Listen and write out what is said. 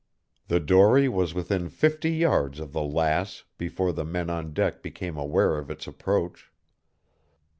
The dory was within fifty yards of the Lass before the men on deck became aware of its approach.